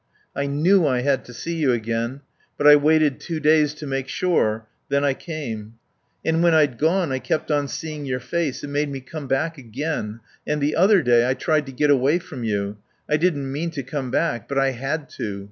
"I knew I had to see you again. But I waited two days to make sure. Then I came ..."... And when I'd gone I kept on seeing your face. It made me come back again. And the other day I tried to get away from you. I didn't mean to come back; but I had to.